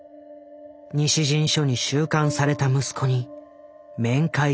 西陣署に収監された息子に面会するためだ。